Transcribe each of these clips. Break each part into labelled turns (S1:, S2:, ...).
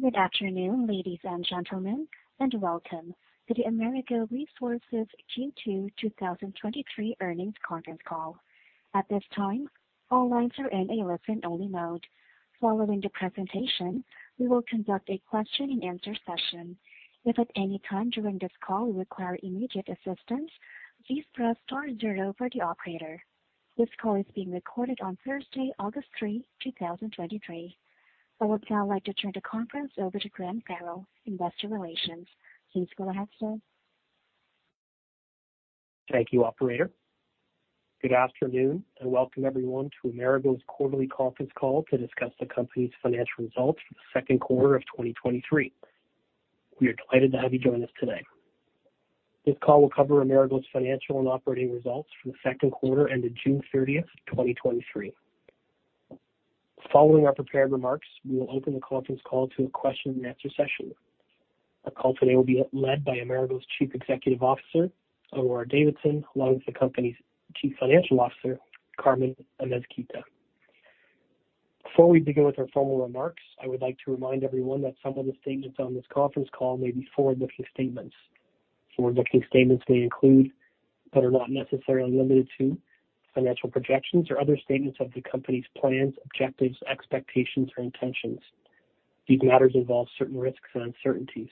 S1: Good afternoon, ladies and gentlemen, and welcome to the Amerigo Resources Q2 2023 Earnings Conference Call. At this time, all lines are in a listen-only mode. Following the presentation, we will conduct a question-and-answer session. If at any time during this call you require immediate assistance, please press star zero for the operator. This call is being recorded on Thursday, August 3, 2023. I would now like to turn the conference over to Graham Farrell, Investor Relations. Please go ahead, sir.
S2: Thank you, operator. Good afternoon, welcome everyone to Amerigo's quarterly conference call to discuss the company's financial results for the second quarter of 2023. We are delighted to have you join us today. This call will cover Amerigo's financial and operating results for the second quarter ended June 30th, 2023. Following our prepared remarks, we will open the conference call to a question-and-answer session. Our call today will be led by Amerigo's Chief Executive Officer, Aurora Davidson, along with the company's Chief Financial Officer, Carmen Amézquita. Before we begin with our formal remarks, I would like to remind everyone that some of the statements on this conference call may be forward-looking statements. Forward-looking statements may include, but are not necessarily limited to, financial projections or other statements of the company's plans, objectives, expectations, or intentions. These matters involve certain risks and uncertainties.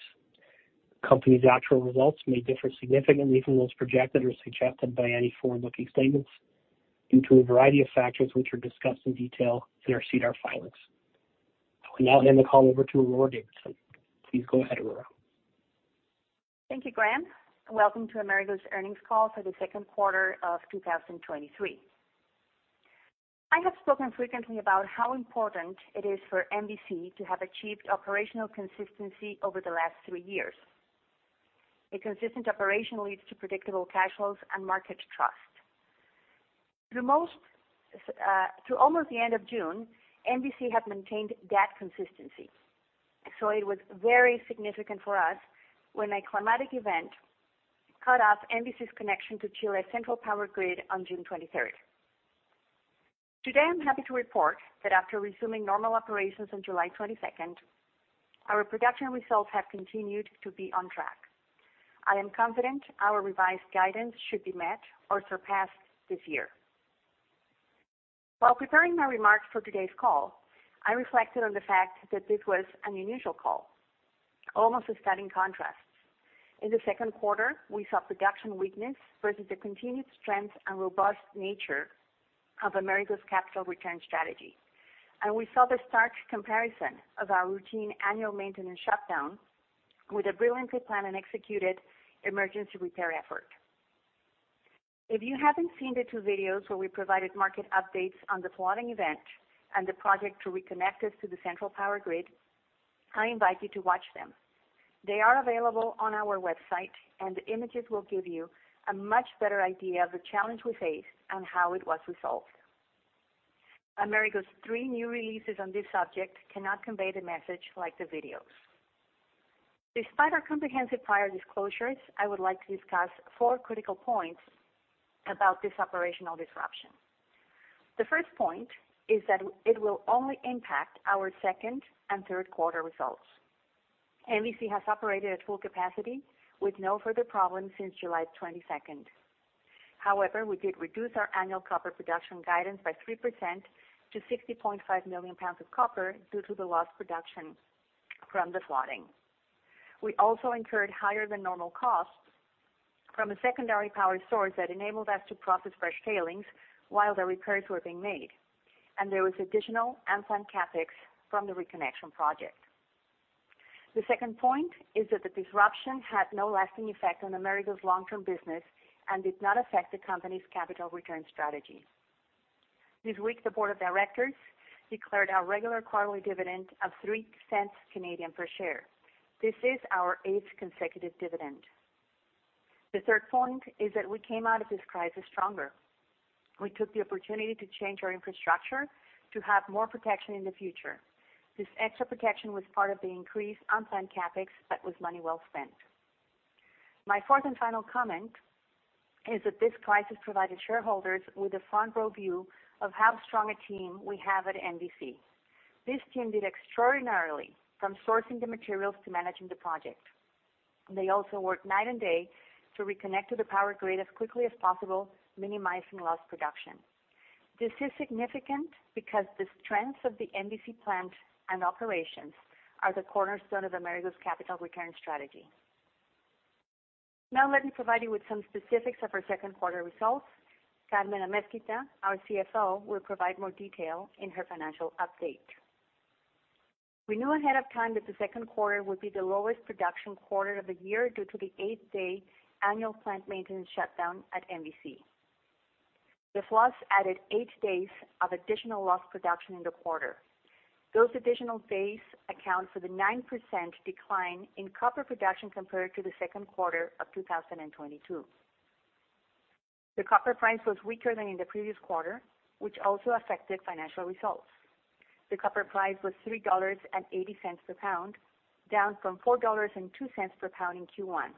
S2: The company's actual results may differ significantly from those projected or suggested by any forward-looking statements due to a variety of factors, which are discussed in detail in our CDR filings. I will now hand the call over to Aurora Davidson. Please go ahead, Aurora.
S3: Thank you, Graham. Welcome to Amerigo's earnings call for the second quarter of 2023. I have spoken frequently about how important it is for MVC to have achieved operational consistency over the last three years. A consistent operation leads to predictable cash flows and market trust. Through most, to almost the end of June, MVC had maintained that consistency. It was very significant for us when a climatic event cut off MVC's connection to Chile's central power grid on June 23rd. Today, I'm happy to report that after resuming normal operations on July 22nd, our production results have continued to be on track. I am confident our revised guidance should be met or surpassed this year. While preparing my remarks for today's call, I reflected on the fact that this was an unusual call, almost a stunning contrast. In the second quarter, we saw production weakness versus the continued strength and robust nature of Amerigo's capital return strategy. We saw the stark comparison of our routine annual maintenance shutdown with a brilliantly planned and executed emergency repair effort. If you haven't seen the two videos where we provided market updates on the flooding event and the project to reconnect us to the central power grid, I invite you to watch them. They are available on our website. The images will give you a much better idea of the challenge we faced and how it was resolved. Amerigo's three new releases on this subject cannot convey the message like the videos. Despite our comprehensive prior disclosures, I would like to discuss four critical points about this operational disruption. The first point is that it will only impact our second and third quarter results. MVC has operated at full capacity with no further problems since July 22nd. However, we did reduce our annual copper production guidance by 3% to 60.5 million pounds of copper due to the lost production from the flooding. We also incurred higher than normal costs from a secondary power source that enabled us to process fresh tailings while the repairs were being made, and there was additional unplanned CapEx from the reconnection project. The second point is that the disruption had no lasting effect on Amerigo's long-term business and did not affect the company's capital return strategy. This week, the board of directors declared our regular quarterly dividend of 0.03 per share. This is our eighth consecutive dividend. The third point is that we came out of this crisis stronger. We took the opportunity to change our infrastructure to have more protection in the future. This extra protection was part of the increased unplanned CapEx, but was money well spent. My fourth and final comment is that this crisis provided shareholders with a front-row view of how strong a team we have at MVC. This team did extraordinarily from sourcing the materials to managing the project. They also worked night and day to reconnect to the power grid as quickly as possible, minimizing lost production. This is significant because the strengths of the MVC plant and operations are the cornerstone of Amerigo's capital return strategy. Now, let me provide you with some specifics of our second quarter results. Carmen Amézquita, our CFO, will provide more detail in her financial update. We knew ahead of time that the second quarter would be the lowest production quarter of the year due to the eight-day annual plant maintenance shutdown at MVC. The floods added eight days of additional lost production in the quarter. Those additional days account for the 9% decline in copper production compared to the second quarter of 2022. The copper price was weaker than in the previous quarter, which also affected financial results. The copper price was $3.80 per pound, down from $4.02 per pound in Q1,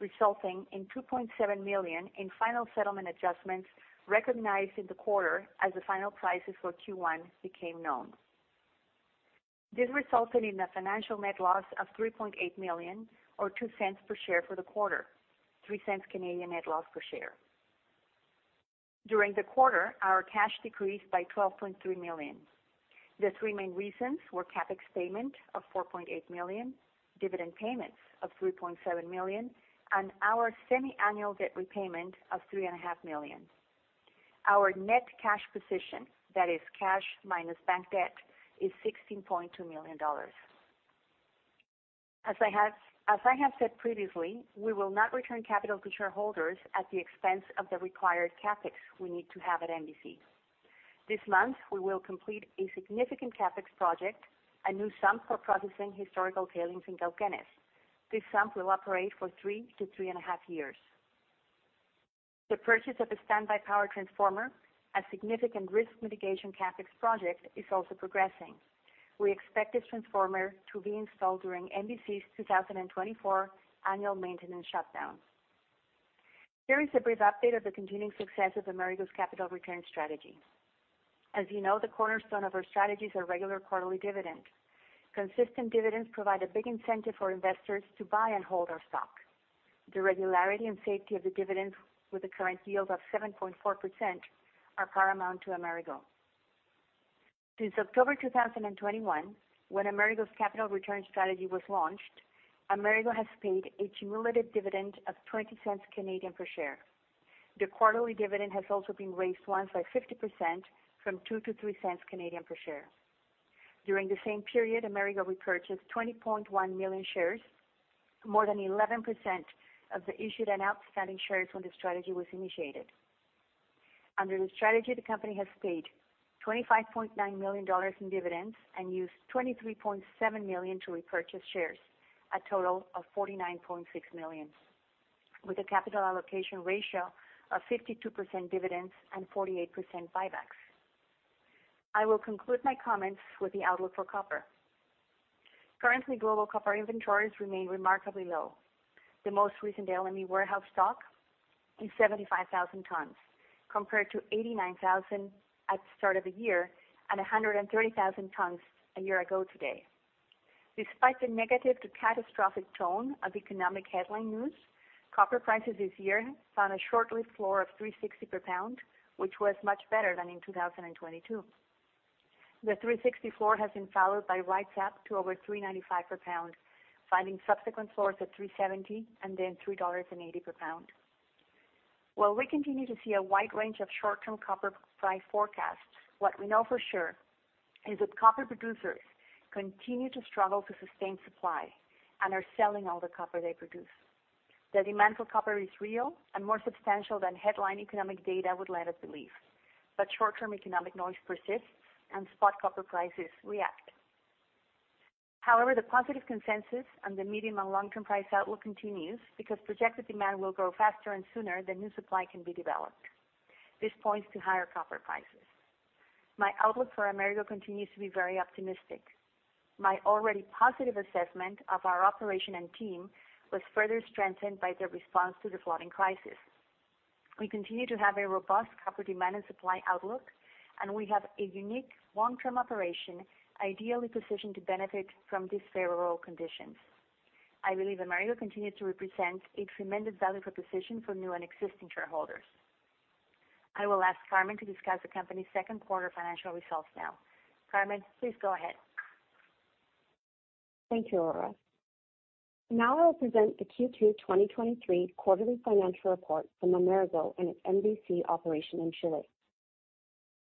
S3: resulting in 2.7 million in final settlement adjustments recognized in the quarter as the final prices for Q1 became known. This resulted in a financial net loss of 3.8 million, or 0.02 per share for the quarter, 0.03 Canadian net loss per share. During the quarter, our cash decreased by 12.3 million. The three main reasons were CapEx payment of $4.8 million, dividend payments of $3.7 million, and our semi-annual debt repayment of $3.5 million. Our net cash position, that is, cash minus bank debt, is $16.2 million. As I have said previously, we will not return capital to shareholders at the expense of the required CapEx we need to have at MVC. This month, we will complete a significant CapEx project, a new sump for processing historical tailings in Cauquenes. This sump will operate for 3-3.5 years. The purchase of the standby power transformer, a significant risk mitigation CapEx project, is also progressing. We expect this transformer to be installed during MVC's 2024 annual maintenance shutdown. Here is a brief update of the continuing success of Amerigo's capital return strategy. As you know, the cornerstone of our strategy is our regular quarterly dividend. Consistent dividends provide a big incentive for investors to buy and hold our stock. The regularity and safety of the dividend, with a current yield of 7.4%, are paramount to Amerigo. Since October 2021, when Amerigo's capital return strategy was launched, Amerigo has paid a cumulative dividend of 0.20 per share. The quarterly dividend has also been raised once by 50% from 0.02 to 0.03 per share. During the same period, Amerigo repurchased 20.1 million shares, more than 11% of the issued and outstanding shares when the strategy was initiated. Under the strategy, the company has paid $25.9 million in dividends and used $23.7 million to repurchase shares, a total of $49.6 million, with a capital allocation ratio of 52% dividends and 48% buybacks. I will conclude my comments with the outlook for copper. Currently, global copper inventories remain remarkably low. The most recent LME warehouse stock is 75,000 tons, compared to 89,000 at the start of the year and 130,000 tons a year ago today. Despite the negative to catastrophic tone of economic headline news, copper prices this year found a short-lived floor of $3.60 per pound, which was much better than in 2022. The 360 floor has been followed by rights up to over 395 per pound, finding subsequent floors at 370 and then $3.80 per pound. While we continue to see a wide range of short-term copper price forecasts, what we know for sure is that copper producers continue to struggle to sustain supply and are selling all the copper they produce. The demand for copper is real and more substantial than headline economic data would let us believe. Short-term economic noise persists and spot copper prices react. However, the positive consensus on the medium and long-term price outlook continues because projected demand will grow faster and sooner than new supply can be developed. This points to higher copper prices. My outlook for Amerigo continues to be very optimistic. My already positive assessment of our operation and team was further strengthened by their response to the flooding crisis. We continue to have a robust copper demand and supply outlook, and we have a unique long-term operation, ideally positioned to benefit from these favorable conditions. I believe Amerigo continues to represent a tremendous value proposition for new and existing shareholders. I will ask Carmen to discuss the company's second quarter financial results now. Carmen, please go ahead.
S4: Thank you, Aurora. Now I will present the Q2 2023 quarterly financial report for Amerigo and its MVC operation in Chile.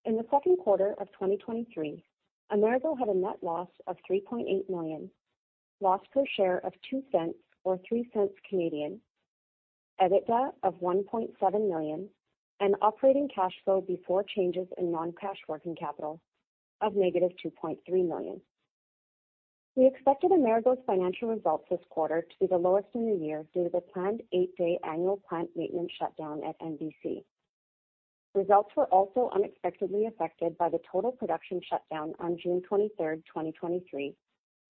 S4: In the second quarter of 2023, Amerigo had a net loss of $3.8 million, loss per share of $0.02 or 0.03, EBITDA of $1.7 million, and operating cash flow before changes in non-cash working capital of negative $2.3 million. We expected Amerigo's financial results this quarter to be the lowest in the year due to the planned eight-day annual plant maintenance shutdown at MVC. Results were also unexpectedly affected by the total production shutdown on June 23rd, 2023,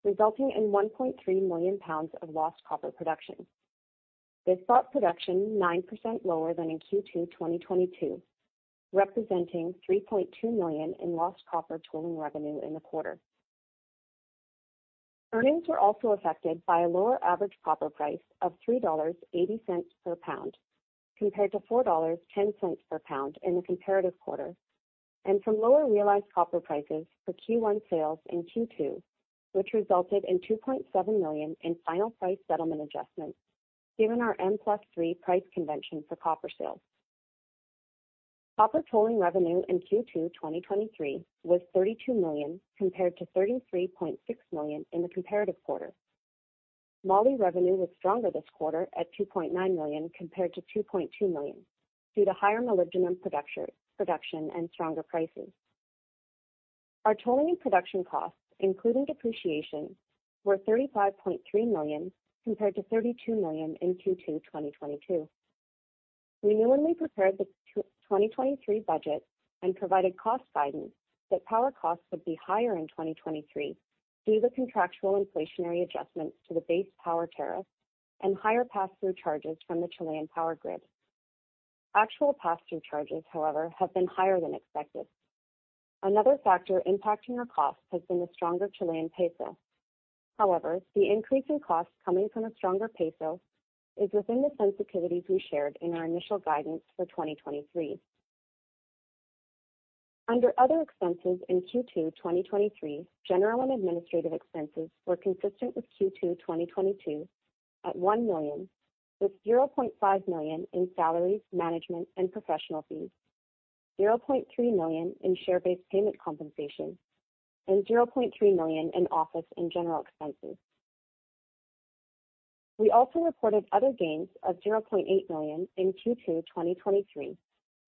S4: resulting in 1.3 million pounds of lost copper production. This brought production 9% lower than in Q2 2022, representing $3.2 million in lost copper tolling revenue in the quarter. Earnings were also affected by a lower average copper price of $3.80 per pound, compared to $4.10 per pound in the comparative quarter, and from lower realized copper prices for Q1 sales in Q2, which resulted in $2.7 million in final price settlement adjustments, given our M+3 price convention for copper sales. Copper tolling revenue in Q2 2023 was $32 million, compared to $33.6 million in the comparative quarter. Molly revenue was stronger this quarter at $2.9 million, compared to $2.2 million, due to higher molybdenum production and stronger prices. Our tolling and production costs, including depreciation, were $35.3 million, compared to $32 million in Q2 2022. We newly prepared the 2023 budget and provided cost guidance that power costs would be higher in 2023 due to contractual inflationary adjustments to the base power tariff and higher pass-through charges from the Chilean power grid. Actual pass-through charges, however, have been higher than expected. Another factor impacting our costs has been the stronger Chilean peso. The increase in costs coming from a stronger peso is within the sensitivities we shared in our initial guidance for 2023. Under other expenses in Q2 2023, general and administrative expenses were consistent with Q2 2022 at $1 million, with $0.5 million in salaries, management, and professional fees, $0.3 million in share-based payment compensation, and $0.3 million in office and general expenses. We also reported other gains of $0.8 million in Q2 2023,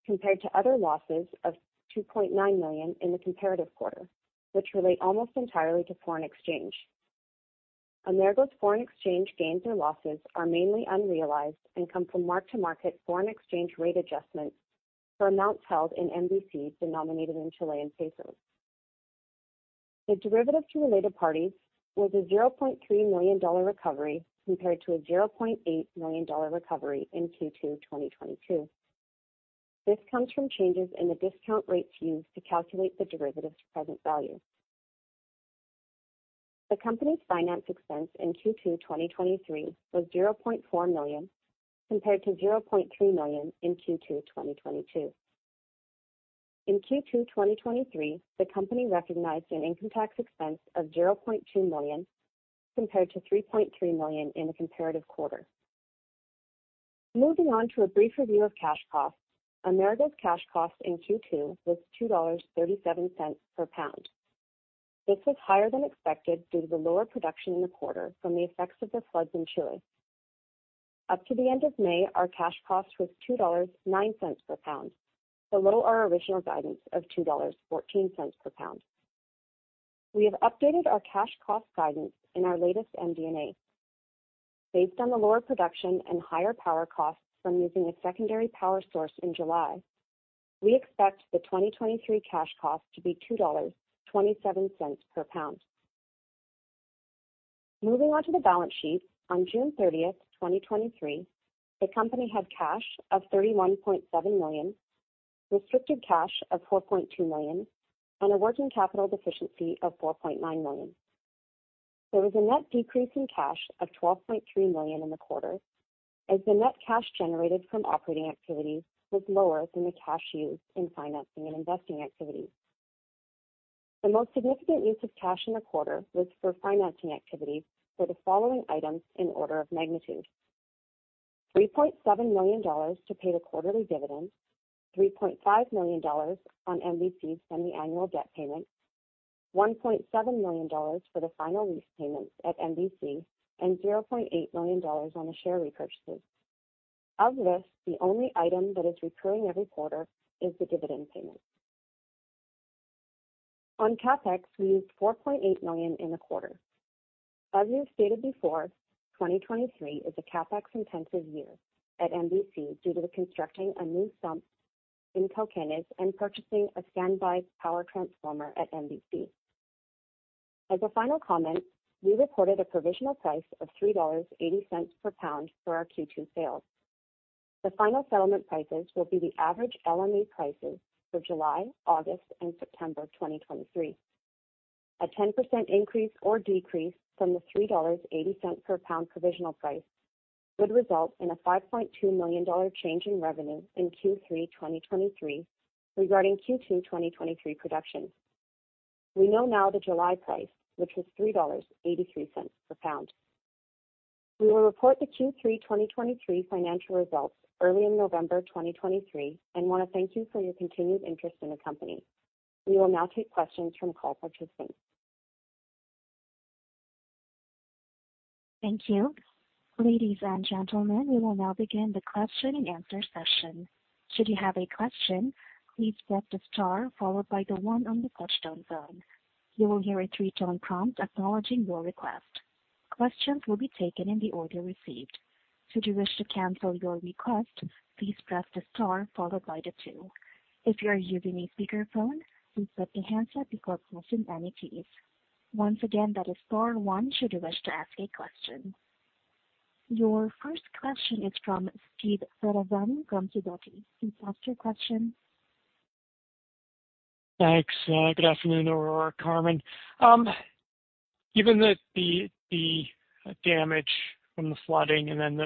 S4: compared to other losses of $2.9 million in the comparative quarter, which relate almost entirely to foreign exchange. Amerigo's foreign exchange gains or losses are mainly unrealized and come from mark-to-market foreign exchange rate adjustments for amounts held in MVC denominated in Chilean pesos. The derivative to related parties was a $0.3 million recovery, compared to a $0.8 million recovery in Q2 2022. This comes from changes in the discount rates used to calculate the derivative's present value. The company's finance expense in Q2 2023 was $0.4 million, compared to $0.3 million in Q2 2022. In Q2 2023, the company recognized an income tax expense of $0.2 million, compared to $3.3 million in the comparative quarter. Moving on to a brief review of cash costs. Amerigo's cash costs in Q2 was $2.37 per pound. This was higher than expected due to the lower production in the quarter from the effects of the floods in Chile. Up to the end of May, our cash cost was $2.09 per pound, below our original guidance of $2.14 per pound. We have updated our cash cost guidance in our latest MD&A. Based on the lower production and higher power costs from using a secondary power source in July, we expect the 2023 cash cost to be $2.27 per pound. Moving on to the balance sheet. On June 30th, 2023, the company had cash of $31.7 million, restricted cash of $4.2 million, and a working capital deficiency of $4.9 million. There was a net decrease in cash of $12.3 million in the quarter, as the net cash generated from operating activities was lower than the cash used in financing and investing activities. The most significant use of cash in the quarter was for financing activities for the following items in order of magnitude: $3.7 million to pay the quarterly dividend, $3.5 million on MVC from the annual debt payment, $1.7 million for the final lease payments at MVC, and $0.8 million on the share repurchases. Of this, the only item that is recurring every quarter is the dividend payment. On CapEx, we used $4.8 million in the quarter. As we have stated before, 2023 is a CapEx-intensive year at MVC due to the constructing a new sump in Cauquenes and purchasing a standby power transformer at MVC. As a final comment, we reported a provisional price of $3.80 per pound for our Q2 sales. The final settlement prices will be the average LME prices for July, August, and September 2023. A 10% increase or decrease from the $3.80 per pound provisional price would result in a $5.2 million change in revenue in Q3 2023 regarding Q2 2023 production. We know now the July price, which was $3.83 per pound. We will report the Q3 2023 financial results early in November 2023, and want to thank you for your continued interest in the company. We will now take questions from call participants.
S1: Thank you. Ladies and gentlemen, we will now begin the question-and-answer session. Should you have a question, please press the star followed by the one on the push-down phone. You will hear a three-tone prompt acknowledging your request. Questions will be taken in the order received. Should you wish to cancel your request, please press the star followed by the two. If you are using a speakerphone, please set the handset before pressing any keys. Once again, that is star one should you wish to ask a question. Your first question is from Steve Ferazani from Sidoti. Please ask your question.
S5: Thanks. Good afternoon, Aurora, Carmen. Given that the damage from the flooding and then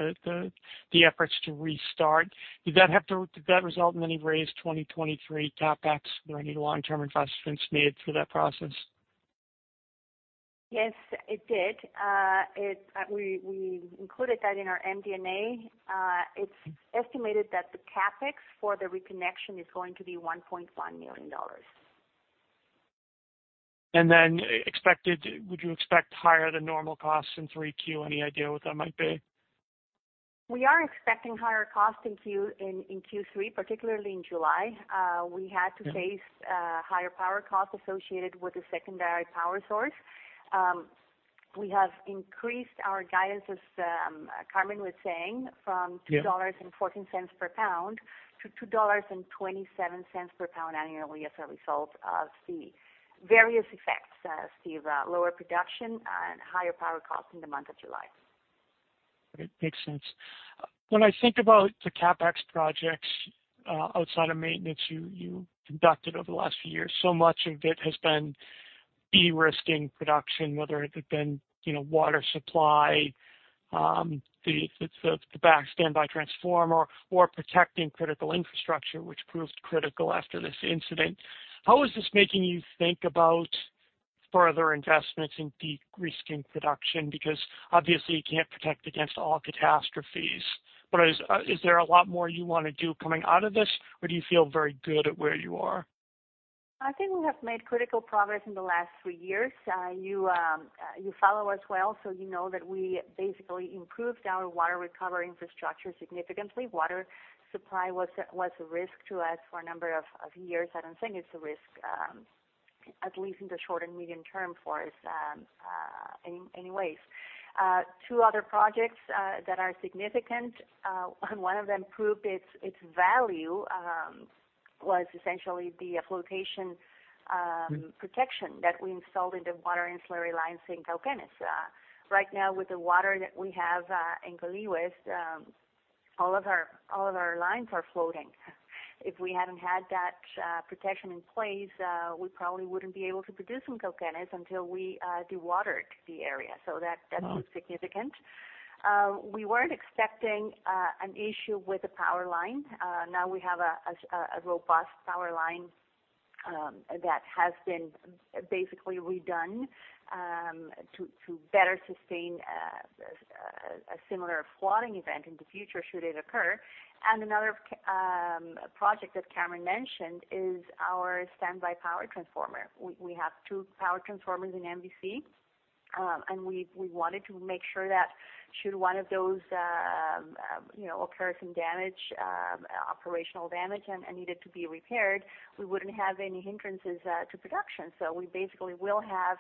S5: the efforts to restart, did that result in any raised 2023 CapEx? Were any long-term investments made through that process?
S4: Yes, it did. We included that in our MD&A. It's estimated that the CapEx for the reconnection is going to be $1.1 million.
S5: Would you expect higher-than-normal costs in 3Q? Any idea what that might be?
S4: We are expecting higher costs in Q3, particularly in July. We had-
S5: Yeah.
S4: to face higher power costs associated with the secondary power source.
S3: We have increased our guidance, as Carmen was saying, from $2.14 per pound to $2.27 per pound annually, as a result of the various effects, the lower production and higher power costs in the month of July.
S5: Great, makes sense. When I think about the CapEx projects, outside of maintenance, you, you conducted over the last few years, so much of it has been de-risking production, whether it had been, you know, water supply, the, the, the back standby transformer or protecting critical infrastructure, which proves critical after this incident. How is this making you think about further investments in de-risking production? Because obviously you can't protect against all catastrophes, but is, is there a lot more you want to do coming out of this, or do you feel very good at where you are?
S3: I think we have made critical progress in the last three years. You, you follow us well, so you know that we basically improved our water recovery infrastructure significantly. Water supply was a, was a risk to us for a number of, of years. I don't think it's a risk, at least in the short and medium term for us, anyways. Two other projects that are significant, and one of them proved its, its value, was essentially the flotation protection that we installed in the water and slurry lines in Cauquenes. Right now, with the water that we have, in Colihue, all of our, all of our lines are floating. If we hadn't had that protection in place, we probably wouldn't be able to produce in Cauquenes until we dewatered the area. So that-
S5: Mm.
S3: -that was significant. We weren't expecting an issue with the power line. Now we have a robust power line that has been basically redone to better sustain a similar flooding event in the future, should it occur. Another project that Cameron mentioned is our standby power transformer. We have two power transformers in MVC, and we wanted to make sure that should one of those, you know, occur some damage, operational damage, and needed to be repaired, we wouldn't have any hindrances to production. We basically will have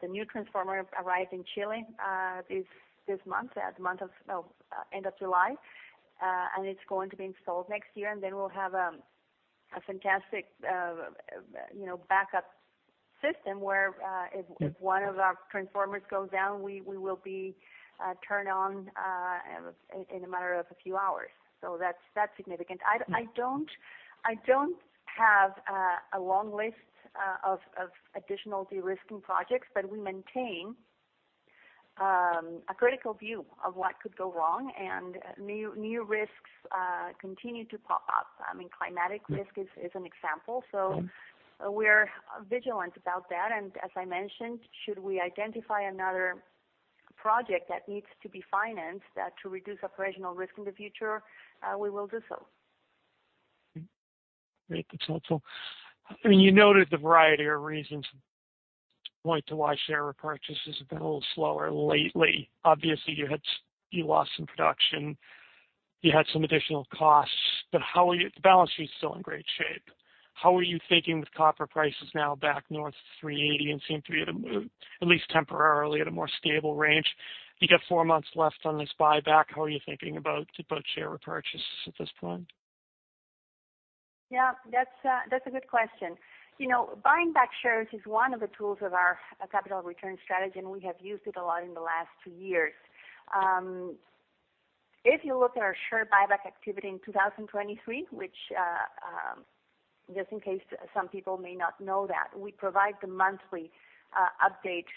S3: the new transformer arrive in Chile this, this month, at the month of, no, end of July. It's going to be installed next year, and then we'll have a fantastic, you know, backup system where.
S5: Mm...
S3: if, if one of our transformers goes down, we, we will be turned on in, in a matter of a few hours. That's, that's significant.
S5: Mm.
S3: I don't have a long list of additional de-risking projects, but we maintain a critical view of what could go wrong and new, new risks continue to pop up. I mean, climatic risk.
S5: Mm
S3: is, is an example.
S5: Mm.
S3: We're vigilant about that. As I mentioned, should we identify another project that needs to be financed to reduce operational risk in the future, we will do so.
S5: Great. That's helpful. I mean, you noted the variety of reasons point to why share repurchases have been a little slower lately. Obviously, you lost some production, you had some additional costs, the balance sheet is still in great shape. How are you thinking with copper prices now back north to $3.80 and seem to be at a, at least temporarily, at a more stable range? You got four months left on this buyback. How are you thinking about share repurchases at this point?
S3: Yeah, that's a, that's a good question. You know, buying back shares is one of the tools of our capital return strategy, and we have used it a lot in the last two years. If you look at our share buyback activity in 2023, which, just in case some people may not know that, we provide the monthly update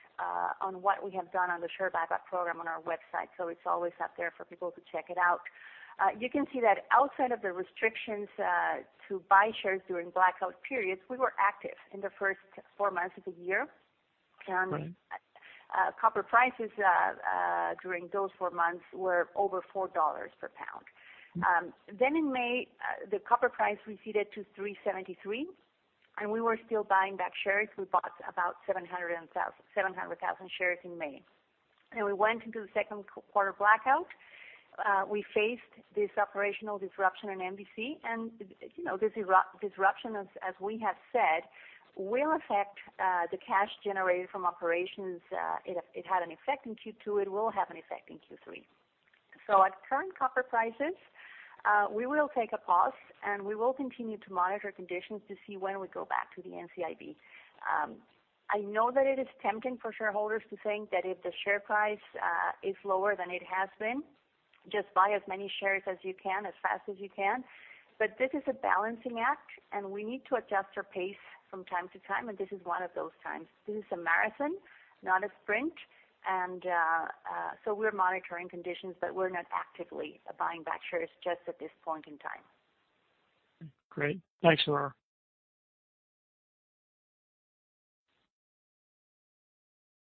S3: on what we have done on the share buyback program on our website. It's always out there for people to check it out. You can see that outside of the restrictions to buy shares during blackout periods, we were active in the first four months of the year.
S5: Mm.
S3: Copper prices during those four months were over $4 per pound.
S5: Mm.
S3: In May, the copper price receded to $3.73, we were still buying back shares. We bought about 700,000 shares in May. We went into the second quarter blackout. We faced this operational disruption in MVC, you know, this disruption, as we have said, will affect the cash generated from operations. It had an effect in Q2, it will have an effect in Q3. At current copper prices, we will take a pause, we will continue to monitor conditions to see when we go back to the NCIB. I know that it is tempting for shareholders to think that if the share price is lower than it has been, just buy as many shares as you can, as fast as you can. This is a balancing act, and we need to adjust our pace from time to time, and this is one of those times. This is a marathon, not a sprint. We're monitoring conditions, but we're not actively buying back shares just at this point in time.
S5: Great. Thanks, Aurora.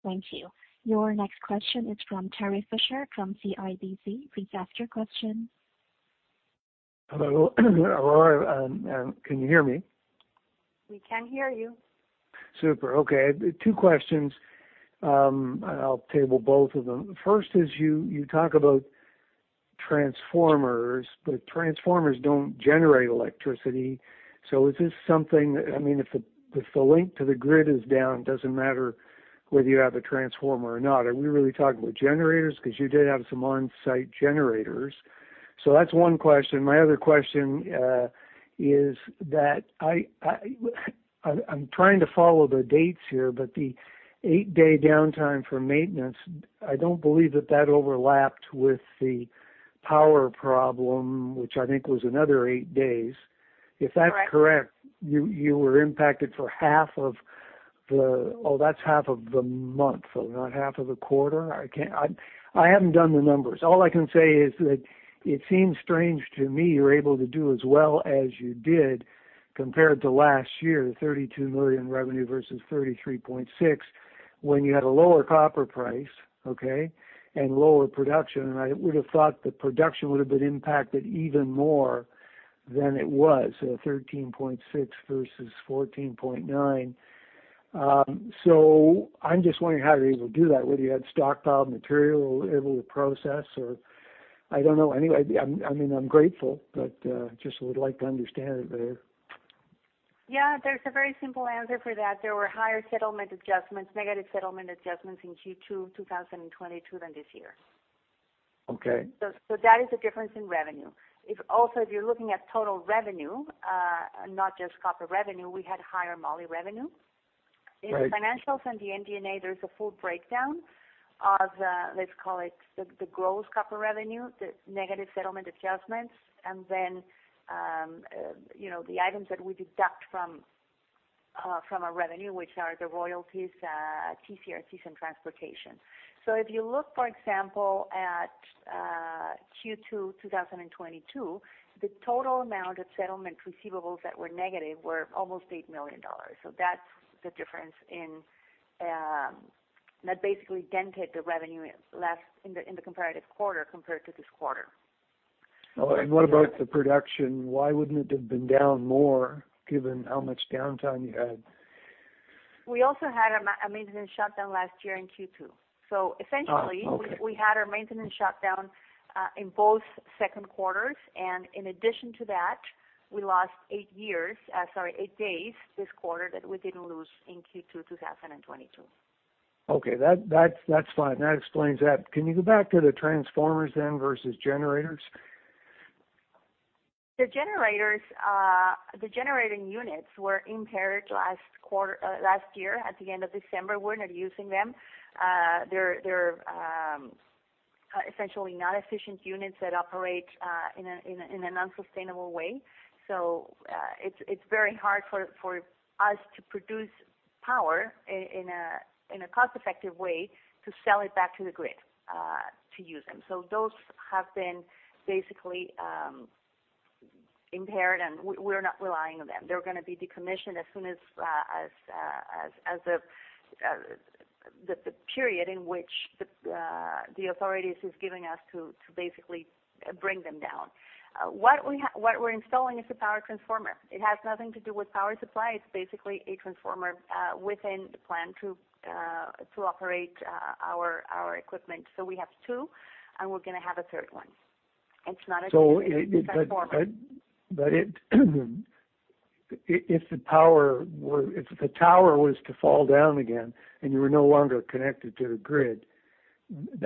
S1: Thank you. Your next question is from Terry Fisher, from CIBC. Please ask your question.
S6: Hello, Aurora, can you hear me?
S3: We can hear you.
S6: Super. Okay, two questions. I'll table both of them. First is, you talk about... transformers. Transformers don't generate electricity. Is this something, I mean, if the, if the link to the grid is down, it doesn't matter whether you have a transformer or not. Are we really talking about generators? Because you did have some on-site generators. That's one question. My other question is that I'm trying to follow the dates here. The eight-day downtime for maintenance, I don't believe that that overlapped with the power problem, which I think was another eight days.
S3: Correct.
S6: If that's correct, you, you were impacted for half of the - oh, that's half of the month, not half of the quarter. I can't, I, I haven't done the numbers. All I can say is that it seems strange to me you're able to do as well as you did compared to last year, $32 million revenue versus $33.6 million, when you had a lower copper price, okay, and lower production. I would have thought the production would have been impacted even more than it was, so 13.6 versus 14.9. So I'm just wondering how you're able to do that, whether you had stockpiled material, able to process, or I don't know. Anyway, I'm, I mean, I'm grateful, but just would like to understand it better.
S3: Yeah, there's a very simple answer for that. There were higher settlement adjustments, negative settlement adjustments in Q2 2022 than this year.
S6: Okay.
S3: So that is a difference in revenue. If also, if you're looking at total revenue, not just copper revenue, we had higher moly revenue.
S6: Right.
S3: In the financials and the MD&A, there is a full breakdown of the, let's call it, the, the gross copper revenue, the negative settlement adjustments, and then, you know, the items that we deduct from our revenue, which are the royalties, TC/RCs and transportation. If you look, for example, at Q2 2022, the total amount of settlement receivables that were negative were almost $8 million. That's the difference in that basically dented the revenue less in the, in the comparative quarter compared to this quarter.
S6: What about the production? Why wouldn't it have been down more, given how much downtime you had?
S3: We also had a maintenance shutdown last year in Q2.
S6: Oh, okay.
S3: Essentially, we, we had our maintenance shutdown, in both second quarters, and in addition to that, we lost eight years, sorry, eight days this quarter that we didn't lose in Q2 2022.
S6: Okay, that's fine. That explains that. Can you go back to the transformers then versus generators?
S3: The generators, the generating units were impaired last quarter, last year at the end of December. We're not using them. They're, they're essentially not efficient units that operate in a, in a, in an unsustainable way. So, it's, it's very hard for, for us to produce power in a, in a cost-effective way to sell it back to the grid, to use them. So those have been basically impaired, and we, we're not relying on them. They're going to be decommissioned as soon as, as, as, as the, the, the period in which the, the authorities is giving us to, to basically bring them down. What we have, what we're installing is a power transformer. It has nothing to do with power supply. It's basically a transformer within the plant to operate our equipment. We have two, and we're going to have a third one. It's not a transformer.
S6: If the tower was to fall down again and you were no longer connected to the grid,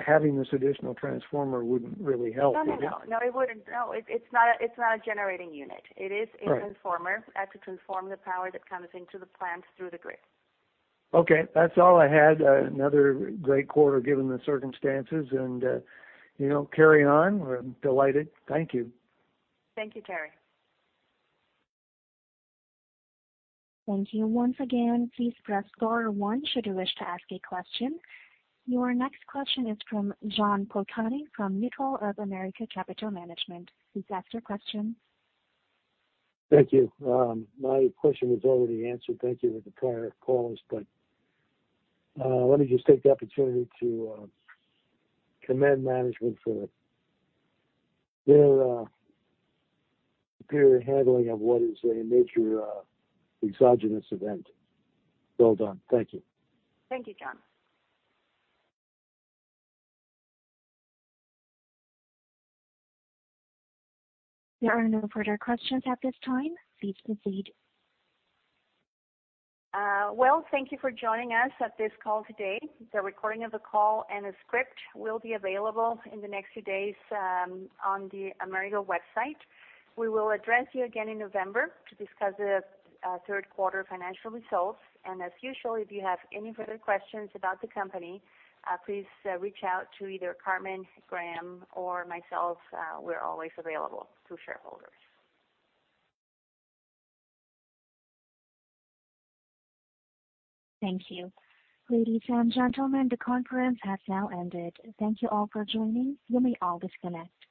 S6: having this additional transformer wouldn't really help, would it?
S3: No, no, no! No, it wouldn't. No, it, it's not a, it's not a generating unit.
S6: Right.
S3: It is a transformer, to transform the power that comes into the plant through the grid.
S6: Okay, that's all I had. Another great quarter, given the circumstances, and, you know, carry on. We're delighted. Thank you.
S3: Thank you, Terry.
S1: Thank you. Once again, please press star one should you wish to ask a question. Your next question is from John Polcari from Mutual of America Capital Management. Please ask your question.
S7: Thank you. My question was already answered. Thank you to the prior callers, but let me just take the opportunity to commend management for their handling of what is a major exogenous event. Well done. Thank you.
S3: Thank you, John.
S1: There are no further questions at this time. Please proceed.
S3: Well, thank you for joining us at this call today. The recording of the call and the script will be available in the next few days on the Amerigo website. We will address you again in November to discuss the third quarter financial results. As usual, if you have any further questions about the company, please reach out to either Carmen, Graham, or myself. We're always available to shareholders.
S1: Thank you. Ladies and gentlemen, the conference has now ended. Thank you all for joining. You may all disconnect.